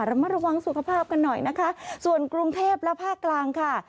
ระมัดระวังสุขภาพกันหน่อยนะคะส่วนกรุงเทพและภาคกลางค่ะ